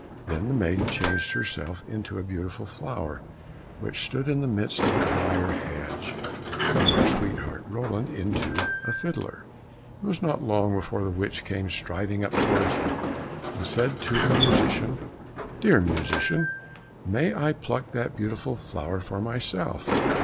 Then the maiden changed herself into a beautiful flower which stood in the midst of a briar hedge, and her sweetheart Roland into a fiddler. It was not long before the witch came striding up towards them, and said to the musician, "Dear musician, may I pluck that beautiful flower for myself?"